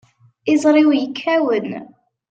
Iẓri-w yekkawen.